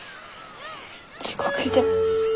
地獄じゃ。